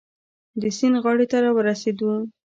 د سیند غاړې ته را ورسېدو.